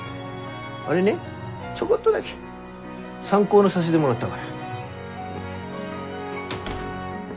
あれねちょこっとだけ参考にさしでもらったがや。